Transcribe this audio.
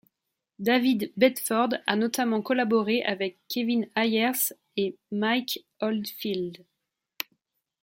David Bedford a notamment collaboré avec Kevin Ayers et Mike Oldfield.